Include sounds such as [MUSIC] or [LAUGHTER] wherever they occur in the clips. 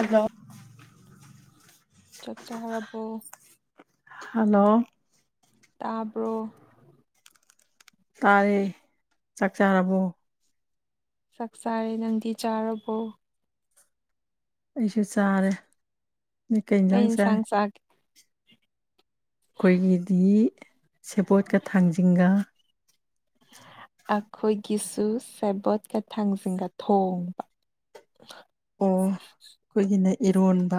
ꯑꯗꯨꯣ ꯆꯞ ꯆꯥꯈꯔꯕꯣ ꯍꯜꯂꯣ ꯇꯥꯕ꯭ꯔꯣ ꯇꯥꯔꯤ ꯆꯥꯛ ꯆꯥꯕꯨ ꯆꯥꯛ ꯆꯥꯔꯦ ꯅꯪꯗꯤ ꯆꯥꯔꯕꯣ ꯑꯩꯁꯨ ꯆꯥꯔꯦ ꯃꯤꯀꯩ ꯀꯩ ꯏꯟꯁꯥꯡ ꯆꯥꯏ ꯆꯥꯒꯦ ꯑꯩꯈꯣꯏꯒꯤꯗꯤ ꯁꯦꯕꯣꯠꯀ ꯊꯥꯡꯖꯤꯡꯒ ꯑꯩꯈꯣꯏꯒꯤꯁꯨ ꯁꯦꯕꯣꯠꯀ ꯊꯥꯡꯖꯤꯡꯒ ꯊꯣꯡꯕ ꯑꯣ ꯑꯩꯈꯣꯏꯒꯤꯅ ꯏꯔꯣꯟꯕ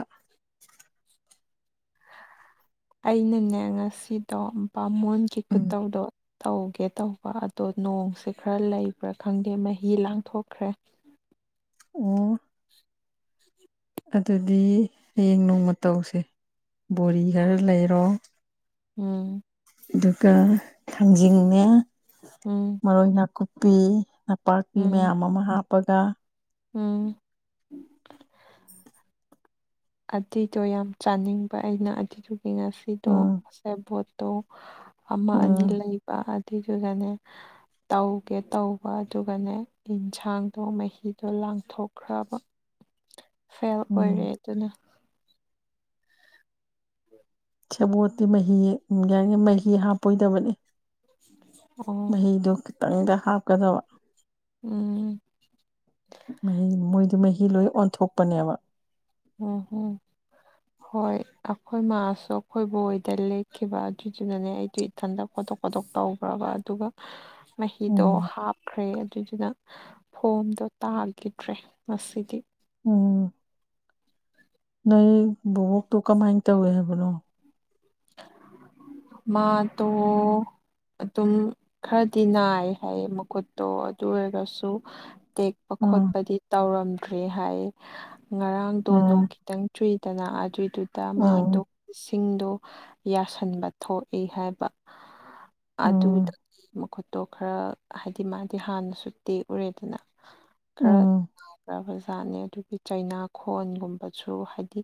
ꯑꯩꯅꯅꯦ ꯉꯁꯤꯗꯣ ꯕꯥꯃꯣꯟꯒꯤ ꯎꯝ ꯈꯨꯇꯧꯗꯣ ꯇꯧꯒꯦ ꯇꯧꯕ ꯑꯗꯣ ꯅꯣꯡꯁꯦ ꯈꯔ ꯂꯩꯕ꯭ꯔꯥ ꯈꯪꯗꯦ ꯃꯍꯤ ꯂꯥꯡꯊꯣꯛꯈ꯭ꯔꯦ ꯑꯣ ꯑꯗꯨꯗꯤ ꯍꯌꯦꯡ ꯅꯣꯡꯃ ꯃꯇꯧꯁꯦ ꯕꯣꯔꯤ ꯈꯔ ꯂꯩꯔꯣ ꯎꯝ ꯑꯗꯨꯒ ꯊꯥꯡꯖꯤꯡꯅ ꯎꯝ ꯃꯔꯣꯏ ꯅꯥꯀꯨꯞꯄꯤ ꯅꯄꯥꯛꯄꯤ ꯎꯝ ꯃꯌꯥꯝ ꯑꯃ ꯍꯥꯞꯄꯒ ꯎꯝ ꯑꯗꯨꯗꯣ ꯌꯥꯝ ꯆꯥꯅꯤꯡꯕ ꯑꯩꯅ ꯑꯗꯨꯗꯨꯒꯤ ꯉꯁꯤꯗꯣ ꯎꯝ ꯁꯦꯕꯣꯠꯇꯣ ꯑꯃ ꯑꯅꯤ ꯎꯝ ꯂꯩꯕ ꯑꯗꯨꯏꯗꯨꯒꯅꯦ ꯇꯧꯒꯦ ꯇꯧꯕ ꯑꯗꯨꯒꯅꯦ ꯑꯦꯟꯁꯥꯡꯗꯣ ꯃꯍꯤꯗꯣ ꯂꯥꯡꯊꯣꯛꯈ꯭ꯔꯕ ꯐꯦꯜ ꯎꯝ ꯑꯣꯏꯔꯦ ꯑꯗꯨꯅ ꯁꯦꯕꯣꯠꯇꯤ ꯃꯍꯤ ꯌꯥ ꯃꯍꯤ ꯍꯥꯞꯄꯣꯏꯗꯕꯅꯤ ꯑꯣ ꯃꯍꯗꯨꯈꯤꯇꯪꯗ ꯍꯥꯞꯀꯗꯕ ꯎꯝ ꯃꯍꯤ ꯃꯣꯏꯗꯤ ꯃꯍꯤ ꯂꯣꯏ ꯑꯣꯟꯊꯣꯛꯄꯅꯦꯕ ꯑꯣꯝ ꯍꯝ ꯍꯣꯏ ꯑꯩꯈꯣꯏ ꯃꯥꯁꯨ ꯑꯩꯈꯣꯏꯕꯨꯣꯏꯗ ꯂꯦꯛꯈꯤꯕ ꯑꯗꯨꯗꯨꯅꯅꯦ ꯑꯩꯗ ꯏꯊꯟꯗ ꯈꯣꯠꯇꯣꯛ ꯈꯣꯠꯇꯣꯛ ꯇꯧꯈ꯭ꯔꯕ ꯑꯗꯨꯒ ꯃꯍꯤꯗꯣ ꯎꯝ ꯍꯥꯞꯈ꯭ꯔꯦ ꯑꯗꯨꯏꯗꯨꯅ ꯐꯣꯝꯗꯣ ꯇꯥꯈꯤꯗ꯭ꯔꯦ ꯉꯁꯤꯗꯤ ꯎꯝ ꯅꯣꯏ ꯕꯕꯣꯛꯇꯣ ꯀꯃꯥꯏꯅ ꯇꯧꯋꯦ ꯍꯥꯏꯕꯅꯣ ꯃꯥ ꯇꯣ ꯑꯗꯨꯝ ꯈꯔꯗꯤ ꯅꯥꯏ ꯍꯥꯏꯌꯦ ꯃꯈꯨꯠꯇꯣ ꯑꯗꯨ ꯑꯣꯏꯔꯒꯁꯨ ꯇꯦꯛꯄ ꯎꯝ ꯈꯣꯠꯄꯗꯤ ꯇꯧꯔꯝꯗ꯭ꯔꯦ ꯍꯥꯏ ꯉꯔꯥꯡꯗꯣꯣꯡ ꯎꯝ ꯈꯤꯇꯪ ꯆꯨꯏꯗꯅ ꯑꯗꯨꯏꯗꯨꯗ ꯃꯥꯗꯣ ꯁꯤꯡꯗꯣ ꯌꯥꯁꯤꯟꯕ ꯊꯣꯛꯏ ꯍꯥꯏꯕ ꯎꯝ ꯎꯝ ꯑꯗꯨꯗꯒꯤ ꯃꯈꯨꯠ ꯇꯣ ꯈꯔ ꯍꯥꯏꯗꯤ ꯃꯥꯗꯤ ꯍꯥꯟꯅꯁꯨ ꯇꯦꯛꯎꯔꯦꯗꯅ ꯈꯔ ꯎꯝ ꯭ꯔꯕꯖꯥꯠꯅꯦ ꯑꯗꯨꯒꯤ ꯆꯩꯅꯥꯈꯣꯟꯒꯨꯝꯕꯁꯨ ꯍꯥꯏꯗꯤ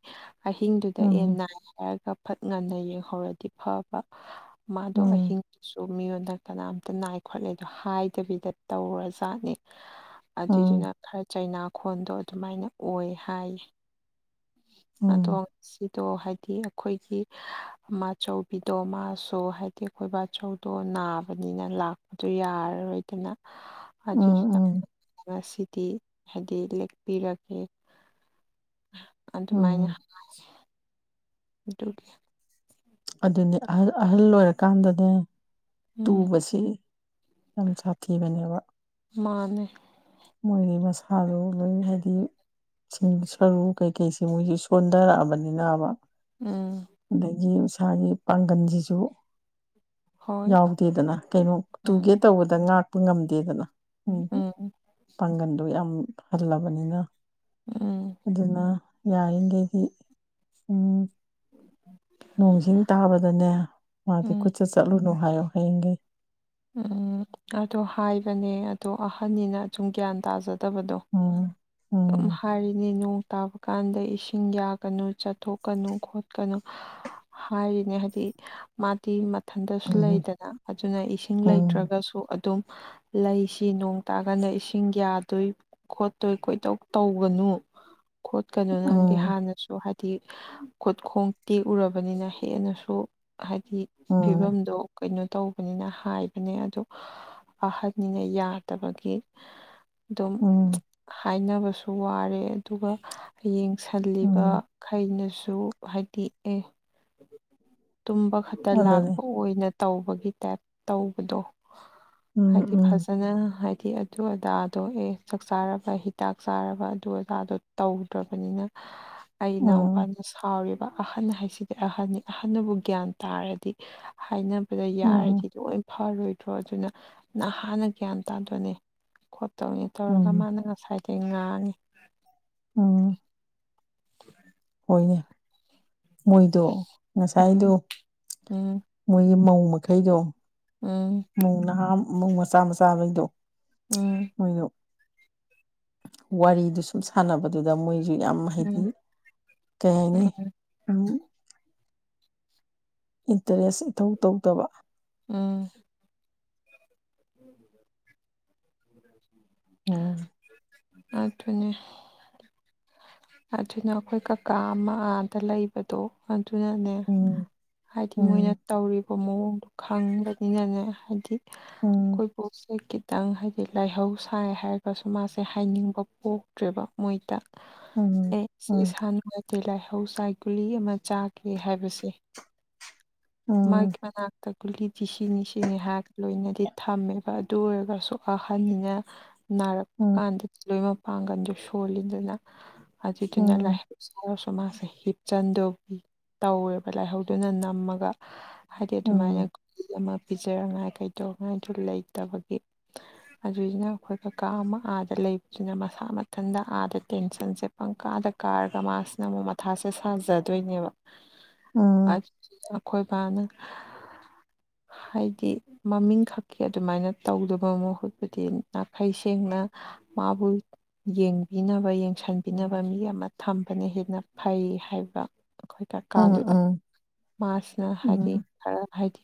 ꯑꯍꯤꯡꯗꯨꯗ ꯑꯦꯟ ꯎꯝ ꯅꯥꯏ ꯍꯥꯏꯔꯒ ꯐꯠ ꯉꯟꯅ ꯌꯦꯡꯍꯧꯔꯗꯤ ꯐꯕ ꯃꯥꯗꯣ ꯎꯝ ꯑꯍꯤꯡꯗꯨꯁꯨ ꯃꯤꯉꯣꯟꯗ ꯀꯅꯥꯝꯇ ꯅꯥꯏ ꯈꯣꯠꯂꯦ ꯑꯗꯣ ꯍꯥꯏꯗꯕꯤꯗ ꯇꯧꯔꯖꯥꯠꯅꯦ ꯎꯝ ꯑꯗꯨꯏꯗꯨꯅ ꯈꯔ ꯆꯩꯅꯥꯈꯣꯟꯗꯣ ꯑꯗꯨꯃꯥꯏꯅ ꯑꯣꯏ ꯍꯥꯏꯌꯦ ꯑꯗꯣ ꯎꯝ ꯉ ꯁꯤꯗꯣ ꯍꯥꯏꯗꯤ ꯑꯩꯈꯣꯏꯒꯤ ꯑ ꯑꯆꯧꯕꯤꯗꯣ ꯃꯥꯁꯨ ꯍꯥꯏꯗꯤ ꯑꯩꯈꯣꯏꯕꯥꯆꯧꯗꯣ ꯅꯥꯕꯅꯤꯅ ꯂꯥꯛꯄꯗꯣ ꯌꯥꯔꯔꯣꯏ ꯅ ꯎꯝ ꯑꯗꯨꯗꯨꯅ ꯎꯝ ꯉꯁꯤꯗꯤ ꯍꯥꯏꯗꯤ ꯂꯦꯛꯄꯤꯔꯒꯦ ꯑꯗꯨꯃꯥꯏꯅ ꯎꯝ ꯗꯀꯤ ꯑꯗꯨꯅꯤ ꯑꯍꯜ ꯑꯣꯏꯔꯀꯥꯟꯗꯅꯦ ꯎꯝ ꯇꯨꯕꯁꯤ ꯌꯥꯝ ꯁꯥꯊꯤꯕꯅꯦꯕ ꯃꯥꯅꯦ ꯃꯣꯏꯒꯤ ꯃꯁꯥꯗꯣ ꯂꯣꯏ ꯍꯥꯏꯗꯤ ꯤꯡ ꯁꯔꯨ ꯀꯩꯀꯩꯁꯤꯦ ꯃꯣꯏꯁꯤ ꯁꯣꯟꯊꯔꯛꯑꯕꯅꯤꯅꯕ ꯎꯝ ꯑꯗꯒꯤ ꯎꯁꯥꯒꯤ ꯄꯥꯡꯒꯜꯁꯤꯁꯨ ꯍꯣꯏ ꯌꯥꯎꯗꯦꯗꯅ ꯀꯩꯅꯣ ꯇꯨꯒꯦ ꯎꯝ ꯇꯧꯕꯗ ꯉꯥꯛꯄ ꯉꯝꯗꯦꯗꯅ ꯎꯝ ꯍꯥꯏꯗꯤ ꯎꯝ ꯄꯥꯡꯒꯟꯗꯣ ꯌꯥꯝ ꯍꯜꯂꯕꯅꯤꯅ ꯎꯝ ꯑꯗꯨꯅ ꯌꯥꯔꯤꯈꯩꯗꯤ ꯎꯝ ꯅꯣꯡꯖꯤꯡ ꯇꯥꯕꯗꯅꯦ ꯃꯥꯗꯤ ꯎꯝ ꯈꯨꯠꯆ ꯆꯠꯂꯨꯅꯨ ꯍꯥꯏꯌꯣ ꯍꯌꯦꯡꯒꯤ ꯎꯝ ꯑꯗꯣ ꯍꯥꯏꯕꯅꯦ ꯑꯗꯣ ꯑꯍꯟꯅꯤꯅ ꯁꯨꯝ ꯒ꯭ꯌꯥꯟ ꯇꯥꯖꯗꯦ ꯐꯠꯇꯕꯗꯣ ꯎꯝ ꯑꯗꯨꯨꯝ ꯎꯝ ꯍꯥꯏꯔꯤꯅꯦ ꯅꯣꯡ ꯇꯥꯕ ꯀꯥꯟꯗ ꯏꯁꯤꯡ ꯌꯥꯒꯅꯨ ꯆꯥꯊꯣꯛꯀꯅꯨ ꯈꯣꯠꯀꯅꯨ ꯍꯥꯏꯔꯤꯅꯦ ꯍꯥꯏꯗꯤ ꯃꯥꯗꯤ ꯃꯊꯟꯇꯁꯨ ꯎꯝ ꯂꯩꯗꯅ ꯑꯗꯨꯅ ꯏꯁꯤꯡ ꯎꯝ ꯂꯩꯇ꯭ꯔꯒ ꯑꯗꯨꯝ ꯂꯩꯁꯤ ꯅꯣꯡ ꯇꯥꯀꯥꯟꯗ ꯏꯁꯤꯡ ꯌꯥꯗꯣꯏ ꯈꯣꯠꯇꯣꯏ ꯀꯣꯏꯗꯧ ꯇꯧꯒꯅꯨ ꯈꯣꯠꯀꯅꯨ ꯅꯪꯗꯤ ꯎꯝ ꯍꯥꯟꯅꯁꯨ ꯍꯥꯏꯗꯤ ꯈꯨꯠꯈꯣꯡ ꯇꯦꯛꯎꯨꯔꯕꯅꯤꯅ ꯍꯦꯟꯅꯁꯨ ꯍꯥꯏꯗꯤ ꯎꯝ ꯐꯤꯕꯝꯗꯣ ꯀꯩꯅꯣ ꯇꯧꯕꯅꯤꯅ ꯍꯥꯏꯕꯅꯦ ꯑꯗꯨ ꯑꯍꯟꯅꯤꯅ ꯌꯥꯗꯕꯒꯤ ꯑꯗꯨꯝ ꯎꯝ ꯍꯥꯏꯅꯕꯁꯨ ꯋꯥꯔꯦ ꯑꯗꯨꯒ ꯍ ꯌꯦꯡꯁꯤꯜꯂꯤꯕ ꯎꯝ ꯈꯩꯅꯁꯨ ꯍꯥꯏꯗꯤ ꯑꯦ ꯇꯨꯝꯕ ꯈꯛꯇ ꯑꯗꯨꯅꯤ ꯂꯥꯛꯄ ꯑꯣꯏꯅ ꯇꯧꯕꯒꯤ ꯇꯥꯏꯞ ꯇꯧꯕꯗꯣ ꯎꯝ ꯍꯥꯏꯗꯤ ꯎꯝ ꯐꯖꯅ ꯍꯥꯏꯗꯤ ꯑꯗꯨ ꯑꯣꯖꯥꯗꯣ ꯑꯦ ꯆꯥꯛ ꯆꯥꯔꯕ ꯍꯤꯗꯥꯛ ꯆꯥꯔꯕ ꯑꯗꯨ ꯑꯣꯖꯥꯗꯣ ꯇꯧꯗ꯭ꯔꯕꯅꯤꯅ ꯑꯩꯅꯎ ꯄꯥꯟ ꯁꯥꯎꯔꯤꯕ ꯑꯍꯟ ꯍꯥꯏꯁꯤꯗꯤ ꯑꯍꯟꯅꯤ ꯑꯍꯟꯅꯕꯨ ꯒ꯭ꯌꯥꯟ ꯇꯥꯔꯗꯤ ꯍꯥꯏꯅ ꯗ ꯎꯝ ꯎꯝ ꯌꯥꯔꯗꯤ ꯂꯣꯏ ꯐꯔꯣꯏꯗ꯭ꯔꯣ ꯑꯗꯨꯅ ꯅ ꯍꯥꯟꯅ ꯒ꯭ꯌꯥꯟ ꯇꯥꯗꯣꯏꯅꯦ ꯈꯣꯠꯇꯧꯅꯤ ꯇꯧꯔꯒ ꯎꯝ ꯃꯥꯅ ꯉꯁꯥꯏꯗ ꯉꯥꯡꯉꯤ ꯎꯝ ꯎꯝ ꯍꯣꯏꯅꯦ ꯃꯣꯏꯗꯣ ꯎꯝ ꯉꯁꯥꯏꯗꯣ ꯎꯝ ꯃꯣꯏꯒꯤ ꯃꯧ ꯃꯈꯩꯗꯣ ꯎꯝ ꯃꯨꯡ ꯅꯍꯥꯃꯨꯡ ꯃꯆꯥ ꯃꯆꯥꯕꯩꯗꯣ ꯎꯝ ꯃꯣꯏꯅ ꯋꯥꯔꯤꯗꯨ ꯁꯨꯝ ꯁꯥꯟꯅꯕꯗꯨꯗ ꯃꯣꯏꯁꯨ ꯌꯥꯝ ꯍꯥꯏꯩꯗꯤ ꯎꯝ ꯀꯩ ꯍꯥꯏꯅꯤ ꯎꯝ ꯏꯟꯇꯔꯦꯁ ꯏꯊꯧ ꯇꯧꯗꯕ ꯎꯝ ꯎ ꯑꯣ ꯑꯗꯨ ꯐꯅꯤ ꯑꯗꯨꯅ ꯑꯩꯈꯣꯏ ꯀꯀꯥ ꯑꯃ ꯑꯗ ꯂꯩꯕꯗꯣ ꯑꯗꯨꯅꯅꯦ ꯎꯝ ꯍꯥꯏꯗꯤ ꯃꯣꯏꯅ ꯎꯝ ꯇꯧꯔꯤꯕ ꯃꯑꯣꯡꯗꯣ ꯈꯪꯕꯅꯤꯅꯅꯦ ꯍꯥꯏꯗꯤ ꯎꯝ ꯑꯩꯣꯏ ꯄꯨꯣꯁꯦ ꯈꯤꯇꯪ ꯍꯥꯏꯗꯤ ꯂꯥꯏꯍꯧ ꯁꯥꯏ ꯍꯥꯏꯔꯒꯁꯨ ꯃꯥꯁꯦ ꯍꯥꯏꯅꯤꯡꯕ ꯄꯣꯛꯇ꯭ꯔꯦꯕ ꯃꯣꯏꯗ ꯎꯝ ꯑꯦ ꯎꯝ ꯏꯁꯥ ꯅꯨꯡꯉꯥꯏꯇꯦ ꯂꯥꯏꯍꯧ ꯆꯥꯏ ꯒꯨꯂꯤ ꯑꯃ ꯆꯥꯒꯦ ꯍꯥꯏꯕꯁꯦ ꯃꯥ ꯎꯝ ꯀꯅ ꯇ ꯒꯨꯂꯤꯗꯤꯤ ꯁꯤꯅꯤ ꯁꯤꯅꯤ ꯍꯥꯏꯍꯥꯛ ꯂꯣꯏꯅꯗꯤ ꯊꯝꯃꯦꯕ ꯑꯗꯨ ꯑꯣꯏꯔꯒꯁꯨ ꯑꯍꯟꯅꯤꯅ ꯅꯔꯛ ꯎꯝ ꯍꯥꯟꯗꯗꯤ ꯂꯣꯏ ꯃꯄꯥꯡꯒꯜꯗ ꯁꯣꯜꯂꯤꯗꯅ ꯑꯗꯨꯗꯨꯅ ꯂꯥꯛ ꯎꯝ ꯏꯁꯔꯁꯨ ꯃꯥꯁꯦ ꯍꯤꯞꯆꯟꯗꯧꯒꯤ ꯇꯧꯋꯦꯕ ꯂꯥꯏꯍꯧꯗꯨꯅ ꯅꯝꯃꯒ ꯍꯥꯏꯗꯤ ꯎꯝ ꯑꯗꯨꯃꯥꯏꯅ ꯎꯝ ꯑꯃ ꯄꯤꯖꯅꯉꯥꯏ ꯀꯩꯗꯧꯉꯥꯏꯗꯨ ꯂꯩꯇꯕꯒꯤ ꯑꯗꯨꯏꯁꯤꯅ ꯑꯩꯈꯣꯏ ꯀꯀꯥ ꯑꯃ ꯑꯥꯗ ꯂꯩꯕꯁꯤꯅ ꯃꯁꯥ ꯃꯊꯟꯇ ꯑꯥꯗ ꯇꯦꯟꯁꯟꯁꯦ ꯄꯪꯀꯥꯗ ꯀꯥꯔꯒ ꯃꯥꯁꯤꯅ ꯑꯃꯨꯛ ꯃꯊꯥꯁꯦ ꯁꯥꯖꯗꯣꯏꯅꯦꯕ ꯎꯝ ꯑꯀꯣꯏꯕꯅ ꯍꯥꯏꯗꯤ ꯃꯃꯤꯡ ꯈꯛꯀꯤ ꯑꯗꯨꯃꯥꯏꯅ ꯇꯧꯗꯕ ꯃꯍꯨꯠꯄꯨꯗꯤ ꯅꯥꯈꯩ ꯁꯦꯡꯅ ꯃꯥꯕꯨꯜ ꯌꯦꯡꯕꯤꯅꯕ ꯌꯦꯡꯁꯤꯟꯕꯤꯅꯕ ꯃꯤ ꯑꯃ ꯊꯝꯕꯅ ꯍꯦꯟꯅ ꯐꯩ ꯍꯥꯏꯕ ꯑꯩꯈꯣꯏ ꯎꯝ ꯎꯝ ꯀꯔꯀꯥꯟꯗꯨꯗ ꯃꯥꯁꯤꯅ ꯍꯥꯏꯗꯤ ꯈꯔ ꯍꯥꯏꯗꯤ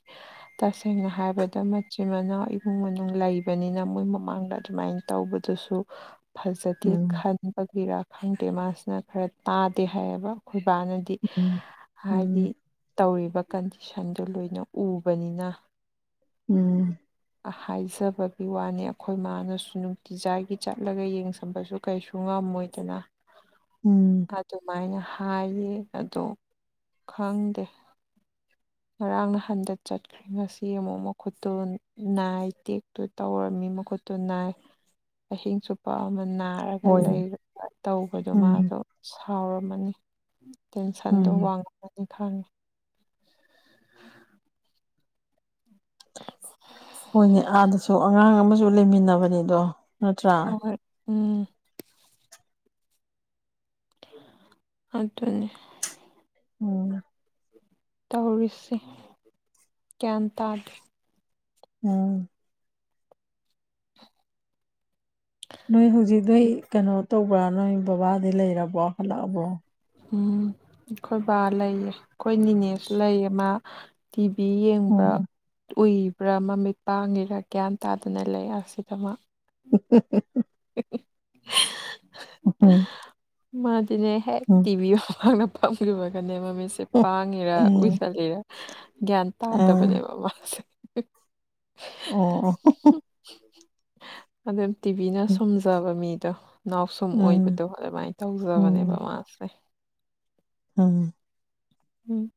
ꯇꯁꯦꯡꯅ ꯍꯥꯏꯕꯗ ꯃꯆꯤꯟ ꯃꯅꯥꯎ ꯏꯃꯨꯡ ꯃꯅꯨꯡ ꯂꯩꯕꯅꯤꯅ ꯃꯣꯏ ꯃꯃꯥꯡꯗ ꯑꯗꯨꯃꯥꯏꯅ ꯇꯧꯕꯗꯨꯁꯨ ꯐꯖꯗꯦ ꯈꯟ ꯄꯕꯤꯔꯥ ꯈꯪꯗꯦ ꯃꯥꯁꯤꯅ ꯈꯔ ꯇꯥꯗꯦ ꯍꯥꯏꯌꯦꯕ ꯑꯩꯈꯣꯏꯕꯥꯅꯗꯤ ꯎꯝ ꯍꯥꯏꯗꯤ ꯎꯝ ꯇꯧꯔꯤꯕ ꯀꯟꯗꯤꯁꯟꯗꯨ ꯂꯣꯏꯅ ꯎꯕꯅꯤꯅ ꯎꯝ ꯍꯥꯏꯖꯕꯒꯤ ꯋꯥꯅꯤ ꯑꯩꯈꯣꯏ ꯃꯥꯅꯁꯨ ꯅꯨꯡꯇꯤꯖꯥꯏꯒꯤ ꯆꯠꯂꯒ ꯌꯦꯡꯁꯝꯕꯁꯨ ꯀꯩꯁꯨ ꯉꯝꯃꯣꯏꯗꯅ ꯎꯝ ꯑꯗꯨꯃꯥꯏꯅ ꯍꯥꯏꯌꯦ ꯑꯗꯣ ꯈꯪꯗꯦ ꯉꯔꯥꯡ ꯅ ꯍꯟꯗꯠ ꯆꯠꯀ ꯉꯁꯤ ꯑꯃꯨꯛ ꯃꯈꯨꯠꯇꯨ ꯅꯥꯏ ꯇꯦꯛꯇꯨ ꯇꯧꯔꯝꯃꯤ ꯃꯈꯨꯠꯇꯨ ꯅꯥꯏ ꯑꯍꯤꯡ ꯆꯨꯞꯄ ꯑꯃꯅ ꯍꯥꯏꯔꯒ ꯂꯩ ꯍꯣꯏꯅꯦ ꯇꯧꯕꯗꯣ ꯎꯝ ꯃꯥꯗꯣ ꯁꯥꯎꯔꯝꯃꯅꯤ ꯇꯦꯟꯁꯟꯗꯣ ꯎꯝ ꯋꯥꯡꯉꯒꯅꯤ ꯈꯪꯉꯤ [UNINTELLIGIBLE] ꯍꯣꯏꯅꯦ ꯑꯥꯗꯁꯨ ꯑꯉꯥꯡ ꯑꯃꯁꯨ ꯂꯩꯃꯤꯟꯅꯕꯅꯤꯗꯣ ꯅꯠꯇ꯭ꯔꯥ ꯍ ꯎꯝ ꯑꯗꯨꯅꯦ ꯎꯝ ꯇꯧꯔꯤꯁꯤ ꯒ꯭ꯌꯥꯟ ꯇꯥꯒꯦ ꯎꯝ ꯅꯣꯏ ꯍꯧꯖꯤꯛꯗ ꯀꯩꯅꯣ ꯇꯧꯕ꯭ꯔꯥ ꯅꯣꯏ ꯕꯕꯥꯗꯤꯩ ꯂꯩꯔꯕꯣ ꯍꯠꯂꯛꯑꯕꯣ ꯎꯝ ꯑꯩꯈꯣꯏ ꯕꯥ ꯂꯩꯌꯦ ꯑꯩꯈꯣꯏ ꯅꯤꯅꯦꯁ ꯂꯩꯌꯦ ꯃꯥ ꯇꯤꯚꯤ ꯌꯦꯡꯕ꯭ꯔꯥ ꯎꯝ ꯎꯏ ꯄꯨꯔꯥ ꯃꯃꯤꯠ ꯄꯥꯡꯉꯤꯔꯥ ꯒ꯭ꯌꯥꯟ ꯇꯥꯗꯅ ꯂꯩ ꯑꯁꯤꯗꯃꯛ ꯎ ꯎ ꯎ [UNINTELLIGIBLE] ꯎ ꯎ ꯃꯥꯗꯤꯅꯦ ꯍꯦꯛ ꯇꯤꯚꯤ ꯃꯃꯥꯡꯅ ꯐꯝꯒꯤꯕꯗꯨꯅꯦꯕ ꯃꯤꯁ ꯁꯦ ꯄꯥꯡꯉꯤꯔ ꯎꯝ ꯎꯏꯁꯜꯂꯤꯔ ꯒ꯭ꯌꯥꯟ ꯑ ꯇꯥꯗꯕꯅꯦꯕ ꯃꯥꯁꯦ [INAUDIBLE] ꯑꯣ ꯑꯣ ꯑꯗꯨꯝ ꯇꯤꯚꯤꯅ ꯎꯝ ꯁꯨꯝ ꯆꯥꯕ ꯃꯤꯗꯣ ꯅꯥꯎꯁꯨꯝ ꯑꯣꯏꯕꯗꯣ ꯑꯗꯨꯃꯥꯏꯅ ꯎꯝ ꯇꯧꯖꯕꯅꯦꯕ ꯃꯥꯁꯦ ꯑꯝ ꯎꯝ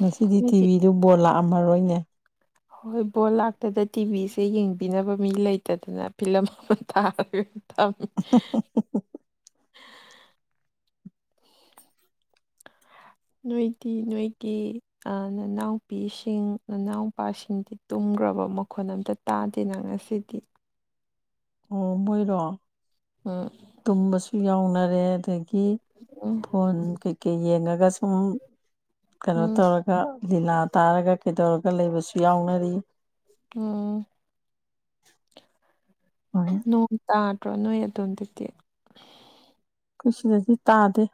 ꯉꯁꯤꯗꯤ ꯅꯣꯏꯗꯤ ꯇꯤꯚꯤꯗꯨ ꯕꯣꯜ ꯂꯥꯛꯑꯝꯃꯔꯣꯏꯅꯦ ꯍꯣꯏ ꯕꯣꯜ ꯂꯥꯛꯇꯗꯅ ꯇꯤꯚꯤꯁꯦ ꯌꯦꯡꯕꯤꯅꯕ ꯃꯤ ꯂꯩꯇꯗꯅ ꯐꯤꯂꯝ ꯑꯃ ꯊꯥꯔꯤ ꯊꯝ ꯅꯣꯏꯇꯤ ꯅꯣꯏꯀꯤ ꯅꯅꯥꯎꯄꯤꯁꯤꯡ ꯅꯅꯥꯎꯄꯥꯁꯤꯡꯗꯤ ꯇꯨꯝꯈ꯭ꯔꯕ ꯃꯈꯣꯟ ꯑꯝꯇ ꯇꯥꯗꯦꯅ ꯉꯁꯤꯗꯤ ꯑꯣ ꯃꯣꯏꯔꯣ ꯎꯝ ꯇꯨꯝꯕꯁꯨ ꯌꯥꯎꯅꯔꯦ ꯑꯗ ꯀꯤ ꯎꯝ ꯐꯣꯟ ꯀꯩꯀꯩ ꯌꯦꯡꯉꯒ ꯁꯨꯝ ꯀꯩꯅꯣ ꯎꯝ ꯇꯧꯔ ꯑꯥ ꯂꯤꯂꯥ ꯇꯥꯔꯒ ꯀꯩꯗꯧꯔꯒ ꯂꯩꯕꯁꯨ ꯌꯥꯎꯅꯔꯤ ꯎꯝ [UNINTELLIGIBLE] ꯅꯣꯡ ꯇꯥꯗ꯭ꯔꯣ ꯅꯣꯏ ꯑꯗ‌ꯣꯝꯗꯗꯤ ꯑꯩꯈꯣꯏ ꯁꯤꯗꯗꯤ ꯇꯥꯗꯦ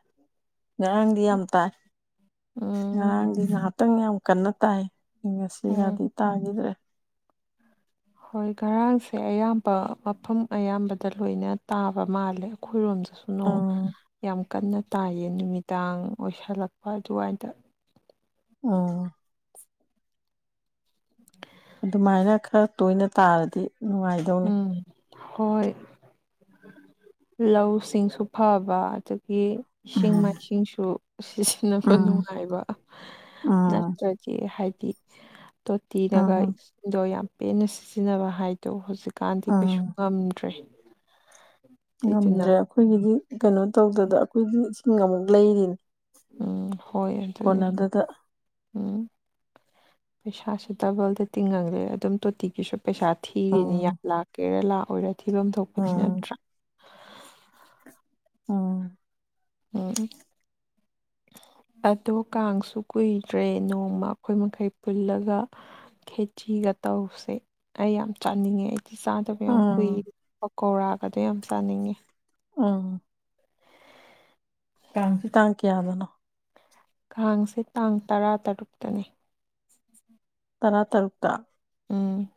ꯉꯔꯥꯡꯗꯤ ꯌꯥꯝ ꯇꯥꯏ ꯎꯝ ꯉꯔꯥꯡꯗꯤ ꯉꯍꯥꯛ ꯔꯥꯡ ꯌꯥꯝ ꯀꯟꯅ ꯇꯥꯏ ꯎꯝ ꯉꯁꯤꯒꯗꯤ ꯇꯥꯈꯤꯗ꯭ꯔꯦ ꯍꯣꯏ ꯉꯔꯥꯡꯁꯦ ꯑꯌꯥꯝꯕ ꯃꯐꯝ ꯑꯌꯥꯝꯕꯗ ꯂꯣꯏꯅ ꯇꯥꯕ ꯃꯥꯜꯂꯦ ꯑꯩꯈꯣꯏꯔꯣꯝꯁꯨ ꯅꯣꯡ ꯎꯝ ꯌꯥꯝ ꯀꯟꯅ ꯇꯥꯏꯌꯦ ꯅꯨꯃꯤꯗꯥꯡ ꯑꯣꯏꯁꯜꯂꯛꯄ ꯑꯗꯨꯋꯥꯏꯗ ꯑꯝ ꯑꯗꯨꯃꯥꯏꯅ ꯈꯔ ꯇꯣꯏꯅ ꯇꯥꯔꯗꯤ ꯅꯨꯡꯉꯥꯏ ꯎꯝ ꯍꯣꯏ ꯂꯧꯁꯤꯡꯁꯨ ꯐꯕ ꯑꯗꯨ ꯒꯤ ꯏꯁꯤꯡ ꯎꯝ ꯃꯥꯏꯁꯤꯡꯁꯨ ꯁꯤꯖꯤꯟꯅꯕ ꯎꯝ ꯅꯨꯡꯉꯥꯏꯕ ꯎꯝ ꯅꯠꯇ꯭ꯔꯥꯗꯤ ꯍꯥꯏꯗꯤ ꯇꯣꯇꯤꯅꯒ ꯎꯝ ꯏꯁꯤꯡꯗꯣ ꯌꯥꯝ ꯄꯦꯟꯅ ꯁꯤꯖꯤꯟꯅꯕ ꯍꯥꯏꯗꯣ ꯍꯧꯖꯤꯛ ꯀꯥꯟꯗꯤ ꯀꯩꯁꯨ ꯎꯝ ꯉꯝꯗ꯭ꯔꯦ ꯑꯗꯨꯏꯗꯨꯅ ꯉꯝꯗ꯭ꯔꯦ ꯑꯩꯈꯣꯏꯒꯤꯗꯤ ꯀꯩꯅꯣ ꯇꯧꯗ‌ꯦꯗ ꯑꯩꯈꯣꯏꯗꯤ ꯏꯁꯤꯡ ꯑꯃꯨꯛ ꯂꯩꯔꯤꯅꯤ ꯎꯝ ꯍꯣꯏ ꯑꯗꯨꯅꯤ ꯀꯣꯟꯅꯗꯗ ꯎꯝ ꯄꯩꯁꯥꯁꯦ ꯗꯕꯜꯗ ꯇꯤꯡꯍꯜꯂꯦ ꯑꯗꯨꯝ ꯇꯣꯇꯤꯒꯤꯁꯨ ꯄꯩꯁꯥ ꯊꯤꯔꯤꯅꯤ ꯎꯝ ꯌꯥꯝ ꯂꯥꯛꯀꯦꯔꯥ ꯂꯥꯛꯑꯣꯏꯔ ꯊꯤꯐꯝ ꯊꯣꯛꯄꯗꯤ ꯎꯝ ꯅꯠꯇ꯭ꯔꯥ ꯑꯣ ꯑꯣꯝ ꯑꯗꯣ ꯀꯥꯡꯁꯨ ꯀꯨꯏꯗ꯭ꯔꯦ ꯅꯣꯡꯃ ꯑꯩꯈꯣꯏ ꯃꯈꯩ ꯄꯨꯜꯂꯒ ꯈꯦꯆꯤꯒ ꯇꯧꯁꯦ ꯑꯩ ꯌꯥꯝ ꯆꯥꯅꯤꯡꯉꯦ ꯑꯩ ꯥꯆꯥꯗꯕ ꯌꯥꯝ ꯎꯝ ꯀꯨꯏꯔ‌ꯦ ꯄꯀꯧꯔꯥꯒꯗꯣ ꯌꯥꯝ ꯆꯥꯅꯤꯡꯉꯦ ꯎꯝ ꯀꯥꯡꯁꯤ ꯇꯥꯡ ꯀꯌꯥꯗꯅꯣ ꯀꯥꯡꯁꯦ ꯇꯥꯡ ꯇꯔꯥꯇꯔꯨꯛꯇꯅꯤ ꯇꯔꯥꯇꯔꯨꯛꯇ ꯎꯝ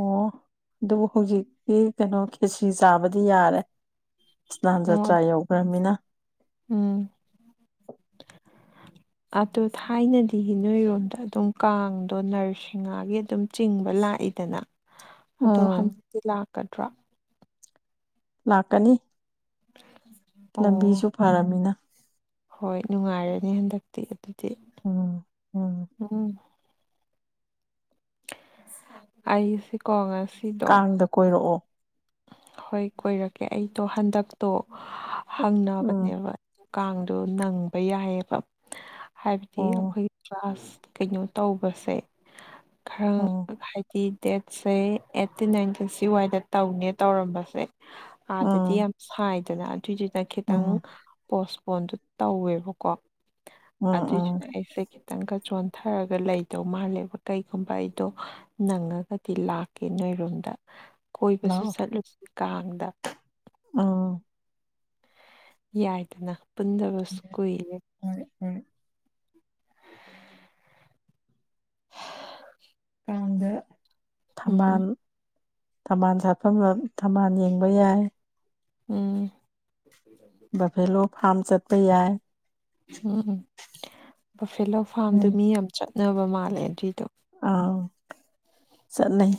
ꯑꯣ ꯑꯗꯨꯕꯨ ꯍꯧꯖꯤꯛꯇꯤ ꯀꯩꯅꯣ ꯈꯦꯆꯤ ꯆꯥꯕꯗꯤ ꯌꯥꯔꯦ ꯏꯁꯅꯥꯟ ꯑꯣ ꯖꯇ꯭ꯔꯥ ꯌꯧꯈ꯭ꯔꯃꯤꯅ ꯎꯝ ꯑꯗꯣ ꯊꯥꯏꯅꯗꯤ ꯅꯣꯏꯔꯣꯝꯗ ꯑꯗꯨꯝ ꯀꯥꯡꯗꯣ ꯅꯔꯁꯤꯡꯍꯥꯒꯤ ꯑꯗꯨꯝ ꯆꯤꯡꯕ ꯂꯥꯛꯏꯗꯅ ꯑꯗꯣ ꯎꯝ ꯍꯟꯗꯛꯇꯤ ꯂꯥꯛꯀꯗ꯭ꯔꯣ ꯂꯥꯛꯀꯅꯤ [UNINTELLIGIBLE] ꯂꯝꯕꯤꯁꯨ ꯐꯔꯝꯃꯤꯅ ꯍꯣꯏ ꯅꯨꯡꯉꯥꯏꯔꯅꯤ ꯍꯟꯗꯛꯇꯤ ꯑꯗꯨꯗꯤ ꯎꯝ ꯑꯁꯤ ꯀꯉꯁꯤ ꯀꯥꯡꯗ ꯀꯣꯏꯔꯛꯑꯣ ꯍꯣꯏ ꯀꯣꯏꯔꯛꯀꯦ ꯑꯩꯗꯣ ꯍꯟꯗꯛꯇꯣ ꯎꯝ ꯍꯪꯅꯕꯅꯦꯕ ꯀꯥꯡꯗꯣ ꯅꯪꯕ ꯌꯥꯏꯑꯕ ꯍꯥꯏꯕꯗꯤ ꯑꯣ ꯑꯩꯈꯣꯏꯒꯤ ꯥꯁ ꯀꯩꯅꯣ ꯇꯧꯕꯁꯦ ꯈꯔ ꯑꯣ ꯤ ꯗꯦꯠꯁꯦ ꯑꯩꯠꯇꯤꯟ ꯅꯥꯏꯟꯇꯤ ꯁꯤ ꯋꯥꯏꯗ ꯇꯧꯅ‌ꯦ ꯇꯧꯔꯝꯕꯁꯦ ꯑꯥꯗꯗꯤ ꯎꯝ ꯌꯥꯝ ꯁꯥꯏꯗꯅ ꯑꯗꯨꯏꯗꯨꯗ ꯈꯤꯇꯪ ꯎꯝ ꯄꯣꯁꯄꯣꯟꯗꯨ ꯇꯧꯋꯦꯕꯀꯣ ꯎꯝ ꯎꯝ ꯑꯗꯨꯏꯗꯨꯅ ꯑꯩꯁꯦ ꯈꯤꯇꯪꯒ ꯆꯣꯟꯊꯔꯒ ꯂꯩꯗꯧ ꯃꯥꯜꯂꯦꯕ ꯀꯩꯒꯨꯝꯕ ꯑꯩꯗꯣ ꯅꯪꯉꯒꯗꯤ ꯂꯥꯛꯀꯦ ꯅꯣꯏꯔꯣꯝꯗ ꯀꯣꯏꯕꯁꯨ ꯆꯠꯂꯨꯁꯤ ꯀꯥꯡꯗ ꯎꯝ ꯌꯥꯏꯗꯅ ꯄꯨꯟꯗꯕꯁꯨ ꯀꯨꯏꯔꯦ ꯍꯣꯏ ꯍꯣꯏ [UNINTELLIGIBLE] ꯑꯥꯡꯗ ꯊꯝꯕꯥꯜ ꯎꯝ ꯊꯝꯃꯥꯟ ꯁꯥꯠꯐꯝ ꯊꯝꯃꯥꯟ ꯌꯦꯡꯕ ꯌꯥꯏ ꯎꯝ ꯕꯚꯦꯂꯣ ꯐꯥꯔꯝ ꯆꯠꯄ ꯌꯥꯏ ꯎꯝ ꯐꯦꯂꯣ ꯐꯥꯝꯗꯨ ꯎꯝ ꯃꯤ ꯌꯥꯝ ꯆꯠꯅꯕ ꯃꯥꯜꯂꯦ ꯑꯗꯨꯏꯗꯣ ꯑꯥ ꯆꯠꯅꯩ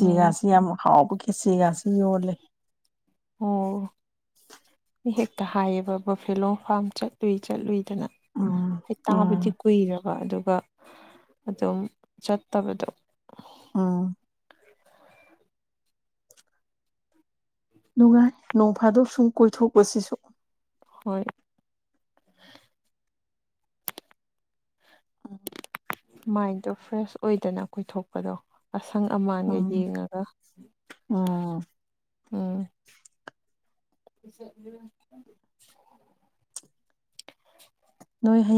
ꯎꯝ ꯌꯥꯝ ꯍꯥꯎꯕꯈꯤ ꯀꯁꯤꯒꯥꯁ ꯌꯣꯔ ꯂꯩ ꯑꯣ ꯃꯤ ꯍꯦꯛꯇ ꯍꯥꯏꯌꯦꯕ ꯕꯐꯦꯂꯣꯡ ꯐꯥꯝ ꯆꯠꯂꯨꯏ ꯆꯠꯂꯨꯏꯗꯅ ꯎꯝ ꯍ ꯇꯥꯕꯨꯗꯤ ꯎꯝ ꯀꯨꯏꯔꯕ ꯑꯗꯨꯒ ꯑꯗꯨꯝ ꯆꯠꯇꯕꯗꯣ ꯑꯥ ꯅꯨꯡꯉꯥꯏ ꯅꯣꯡ ꯐꯥꯗꯣꯛ ꯁꯨꯡ ꯀꯣꯏꯊꯣꯛꯄꯁꯤꯁꯨ ꯍꯣꯏ ꯃꯥꯏꯟꯗꯣ ꯐ꯭ꯔꯦꯁ ꯑꯣꯏꯗꯅ ꯀꯣꯏꯊꯣꯛꯄꯗꯣ ꯑꯁꯪ ꯑꯃꯥꯟꯒ ꯌꯦꯡꯉꯒ ꯑꯣ ꯎꯝ ꯅꯣꯏ ꯍꯩ